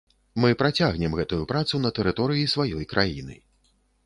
Мы працягнем гэтую працу на тэрыторыі сваёй краіны.